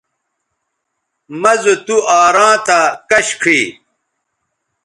مہ زو تُوآراں تھا کش کھئ